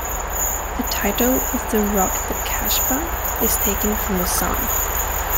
The title of the "Rock the Casbah" is taken from the song.